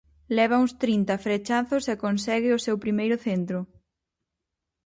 Leva uns trinta frechazos e consegue o seu primeiro centro.